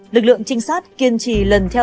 lực lượng trinh sát kiên trì lần theo